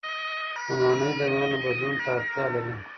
لومړنۍ درملنه بدلون ته اړتیا لري.